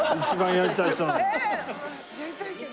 やりたいけど。